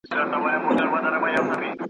غمګین مه راته زنګېږه مه را شمېره خپل دردونه .